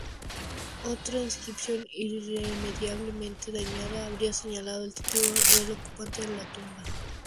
Otra inscripción, irremediablemente dañada, habría señalado el título del ocupante de la tumba.